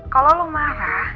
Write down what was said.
kalau lu marah